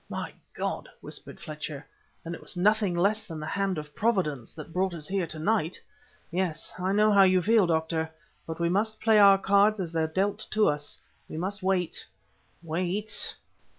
"My God!" whispered Fletcher, "then it was nothing less than the hand of Providence that brought us here to night. Yes! I know how you feel, Doctor! but we must play our cards as they're dealt to us. We must wait wait."